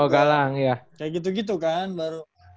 kayak gitu gitu kan baru